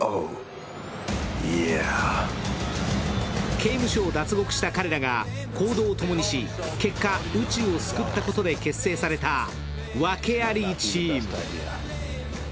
刑務所を脱獄した彼らが行動を共にし結果、宇宙を救ったことで結成された訳ありチーム。